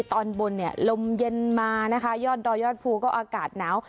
ตอนบนเนี่ยลมเย็นมานะคะยอดดอยยอดภูก็อากาศหนาว